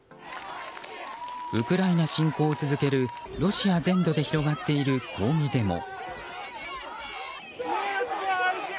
ウクライナ侵攻を続けるロシア全土で広がっている抗議デモ。